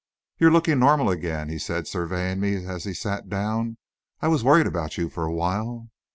"You're looking normal again," he said, surveying me, as he sat down. "I was worried about you for a while."